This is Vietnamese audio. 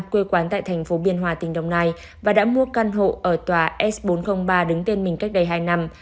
quê quán tại thành phố biên hòa tỉnh đồng nai và đã mua căn hộ ở tòa s bốn trăm linh ba đứng tên mình cách đây hai năm